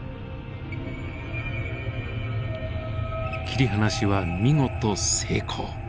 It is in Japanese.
切り離しは見事成功。